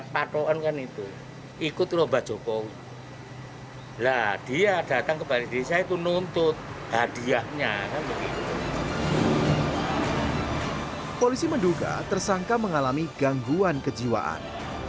polisi menduga tersangka mengalami gangguan kejiwaan